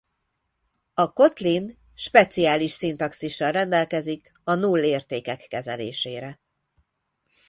A Kotlin speciális szintaxissal rendelkezik a null értékek kezelésére.